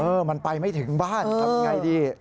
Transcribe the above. เออมันไปไม่ถึงบ้านทำอย่างไรดี